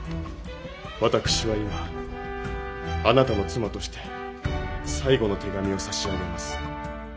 私は今あなたの妻として最後の手紙を差し上げます」。